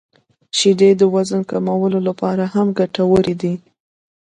• شیدې د وزن کمولو لپاره هم ګټورې دي.